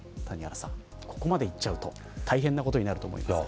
ここまでいっちゃうと大変なことになると思います。